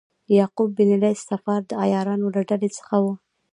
یعقوب بن لیث صفار د عیارانو له ډلې څخه و.